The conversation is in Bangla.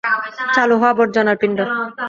চালু হ, আবর্জনার পিণ্ড!